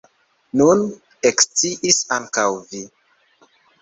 Nun eksciis ankaŭ vi.